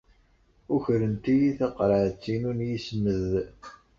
Ukrent-iyi taqerɛunt-inu n yismed!